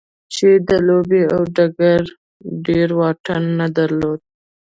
چې د لوبې له ډګره يې ډېر واټن نه درلود.